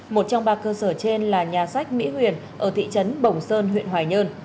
một trong ba cơ sở trên là nhà sách mỹ huyền ở thị trấn bồng sơn huyện hoài nhơn